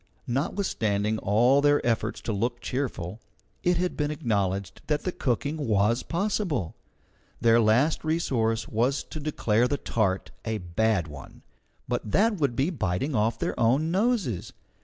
Notwithstanding all their efforts to look cheerful, it had to be acknowledged that the cooking was possible. Their last resource was to declare the tart a bad one, but that would be biting off their own noses.